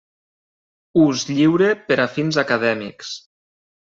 Ús lliure per a fins acadèmics.